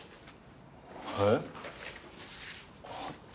えっ？